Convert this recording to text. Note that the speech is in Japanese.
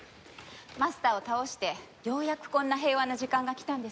マスターを倒してようやくこんな平和な時間がきたんですね。